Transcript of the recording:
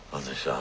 あ！